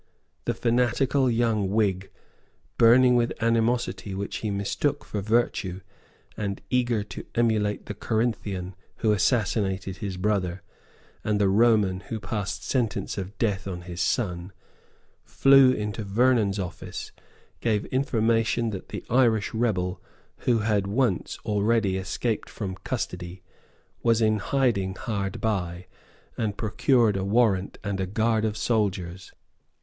The fanatical young Whig, burning with animosity which he mistook for virtue, and eager to emulate the Corinthian who assassinated his brother, and the Roman who passed sentence of death on his son, flew to Vernon's office, gave information that the Irish rebel, who had once already escaped from custody, was in hiding hard by, and procured a warrant and a guard of soldiers.